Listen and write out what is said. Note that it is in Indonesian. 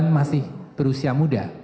masih berusia muda